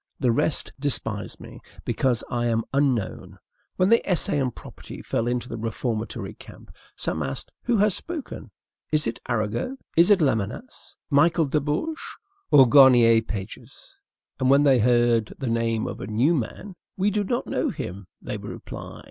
The rest despise me, because I am unknown. When the "Essay on Property" fell into the reformatory camp, some asked: "Who has spoken? Is it Arago? Is it Lamennais? Michel de Bourges or Garnier Pages?" And when they heard the name of a new man: "We do not know him," they would reply.